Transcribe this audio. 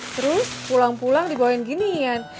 terus pulang pulang dibawain ginian